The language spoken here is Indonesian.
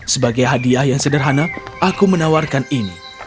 sebagai hadiah yang sederhana aku menawarkan ini